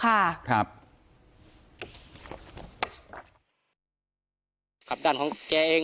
การแก้เคล็ดบางอย่างแค่นั้นเอง